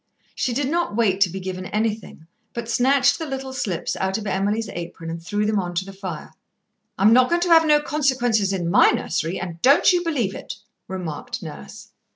She did not wait to be given anything, but snatched the little slips out of Emily's apron and threw them on to the fire. "I'm not going to have no Consequences in my nursery, and don't you believe it!" remarked Nurse.